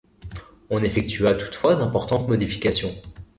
On effectua toutefois d'importantes modifications.